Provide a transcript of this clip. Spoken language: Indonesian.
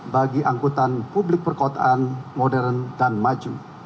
bagi angkutan publik perkotaan modern dan maju